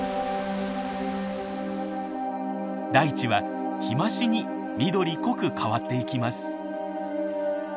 大地は日増しに緑濃く変わっていきます。